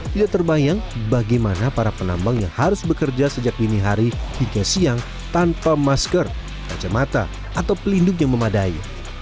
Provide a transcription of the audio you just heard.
tidak terbayang bagaimana para penambang yang harus bekerja sejak dini hari hingga siang tanpa masker kacamata atau pelindung yang memadai